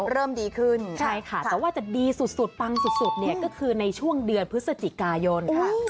ชีวิตดีขึ้นใช่ค่ะแต่ว่าจะดีสุดตังสุดก็คือในช่วงเดือนพฤศจิกายน